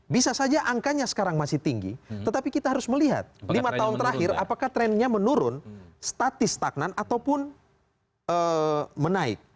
bisa saja angkanya sekarang masih tinggi tetapi kita harus melihat lima tahun terakhir apakah trennya menurun statis stagnan ataupun menaik